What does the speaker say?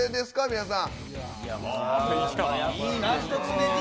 皆さん。